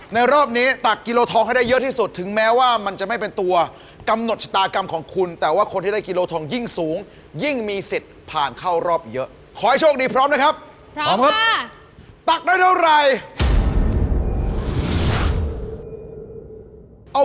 ในรอบนี้เนี่ยน่าจะไม่มีใครแพ้